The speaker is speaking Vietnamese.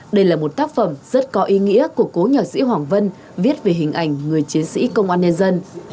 đây là một tác phẩm rất có ý nghĩa của cố nhạc sĩ hoàng vân viết về hình ảnh người chiến sĩ công an nhân dân